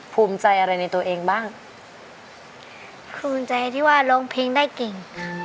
ภูมิใจอะไรในตัวเองบ้างภูมิใจที่ว่าร้องเพลงได้เก่ง